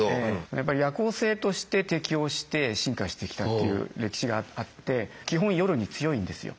やっぱり夜行性として適応して進化してきたっていう歴史があって基本夜に強いんですよ。